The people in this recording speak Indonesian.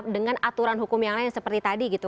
dengan aturan hukum yang lain seperti tadi gitu